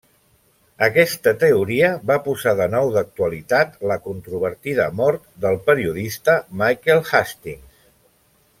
Aquesta teoria va posar de nou d'actualitat la controvertida mort del periodista Michael Hastings.